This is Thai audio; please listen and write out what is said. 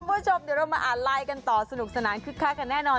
คุณผู้ชมเดี๋ยวเรามาอ่านไลน์กันต่อสนุกสนานคึกคักกันแน่นอน